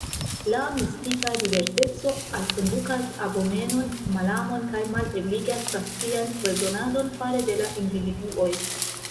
La mistika diverseco alkondukas abomenon, malamon kaj malebligas racian rezonadon fare de la individuoj.